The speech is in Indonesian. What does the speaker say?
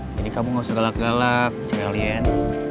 jadi kamu gak usah galak galak sekalian